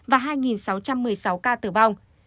và hai sáu trăm một mươi sáu ca tử vong